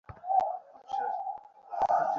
রাত হইয়া যাইতেছে।